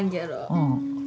うん。